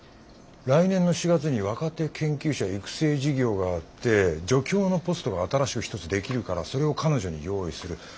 来年の４月に若手研究者育成事業があって助教のポストが新しく１つ出来るからそれを彼女に用意する。